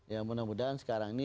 ya mudah mudahan sekarang ini